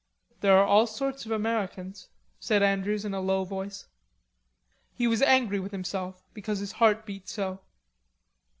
"There are all sorts of Americans," said Andrews in a low voice. He was angry with himself because his heart beat so.